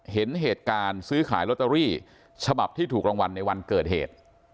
เห็นเหตุการณ์ซื้อขายลอตเตอรี่ฉบับที่ถูกรางวัลในวันเกิดเหตุ